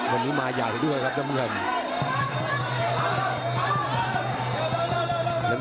วันนี้มาใหญ่ด้วยครับน้ำเงิน